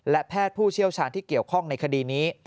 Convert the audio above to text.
และแพทย์ผู้เชี่ยวชาญที่เกี่ยวข้องในคดีนี้